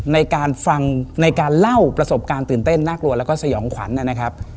ในการฟังในการเล่าประสบการณ์ตื่นเต้นน่ากลัวแล้วก็สยองขวัญนะครับ